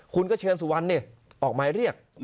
คุณก็เชิญสุวรรณเนี่ยออกมาเรียก